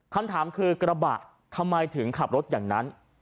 คำถามคือกระบะทำไมถึงขับรถอย่างนั้น